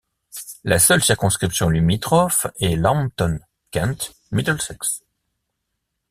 La seule circonscription limitrophe est Lambton—Kent—Middlesex.